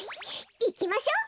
いきましょう。